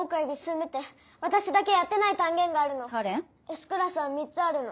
Ｓクラスは３つあるの。